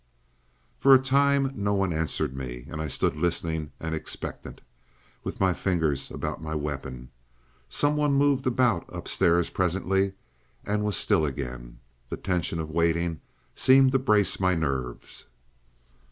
For a time no one answered me, and I stood listening and expectant, with my fingers about my weapon. Some one moved about upstairs presently, and was still again. The tension of waiting seemed to brace my nerves.